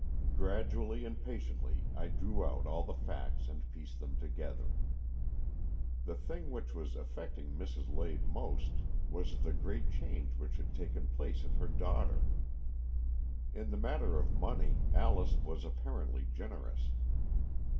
Gradually and patiently I drew out all the facts and pieced them together. The thing which was affecting Mrs. Lade most was the 144 AN EXCHANGE OF SOULS great change which had taken place in her daughter. In the matter of money Alice was apparently generous.